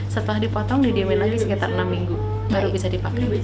setelah dipotong didiemin lagi sekitar enam minggu baru bisa dipakai